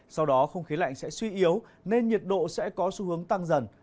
sau đó không khí lạnh sẽ suy yếu nên nhiệt độ sẽ có xu hướng tăng dần